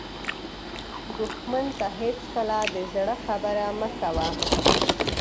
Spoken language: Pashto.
دښمن ته هېڅکله د زړه خبره مه کوه